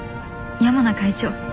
山名会長